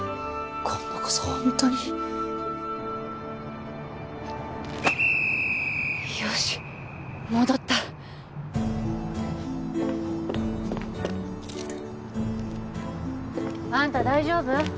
今度こそホントによし戻ったあんた大丈夫？